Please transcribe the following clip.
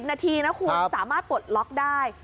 นาทีนะคุณสามารถปลดล็อกได้